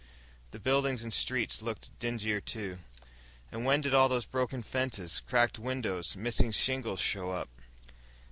The buildings and streets looked dingier, too. And when did all those broken fences, cracked windows, missing shingles show up...?